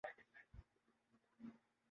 مجھے امید ہے کہ ان کی اگلی فلم کامیاب رہی